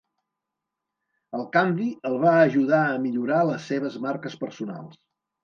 El canvi el va ajudar a millorar les seves marques personals.